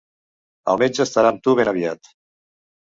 El metge estarà amb tu ben aviat.